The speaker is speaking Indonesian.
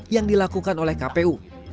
yang dilakukan oleh kpu